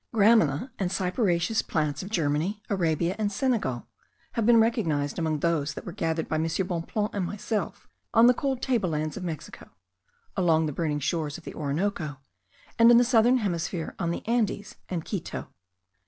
Gramina and cyperaceous plants of Germany, Arabia, and Senegal, have been recognized among those that were gathered by M. Bonpland and myself on the cold table lands of Mexico, along the burning shores of the Orinoco, and in the southern hemisphere on the Andes and Quito.